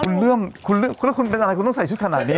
แล้วคุณเป็นอะไรเี้ยเสียชุดขนาดนี้